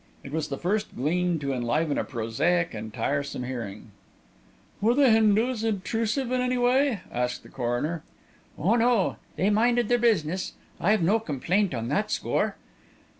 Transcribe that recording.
It was the first gleam to enliven a prosaic and tiresome hearing. "Were the Hindus obtrusive in any way?" asked the coroner. "Oh, no; they minded their business; I've no complaint on that score."